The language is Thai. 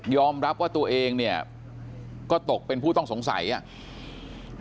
รับว่าตัวเองเนี่ยก็ตกเป็นผู้ต้องสงสัยอ่ะ